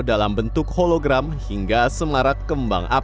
dalam bentuk hologram hingga semarat kembang api